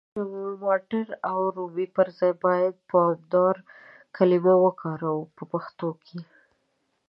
د ټماټر او رومي پر ځای بايد پامدور کلمه وکاروو په پښتو کي.